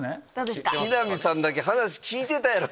木南さんだけ話聞いてたやろ！